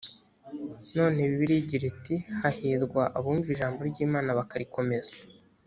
nanone bibiliya igira iti hahirwa abumva ijambo ry imana bakarikomeza